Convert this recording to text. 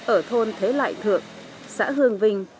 ở thôn thế lại thượng xã hương vinh